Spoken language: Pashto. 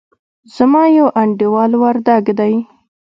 زما يو انډيوال وردګ دئ.